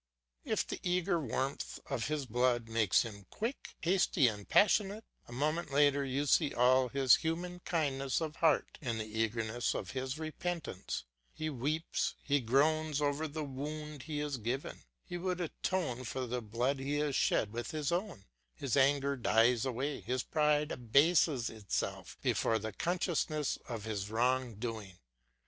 If the eager warmth of his blood makes him quick, hasty, and passionate, a moment later you see all his natural kindness of heart in the eagerness of his repentance; he weeps, he groans over the wound he has given; he would atone for the blood he has shed with his own; his anger dies away, his pride abases itself before the consciousness of his wrong doing.